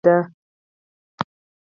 احمد ته خدای سمه سینه ورکړې ده.